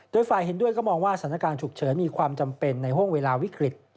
โดยฝ่ายเห็นด้วยก็มองว่าสถานการณ์ฉุกเฉินมีความจำเป็นในห่วงเวลาวิกฤต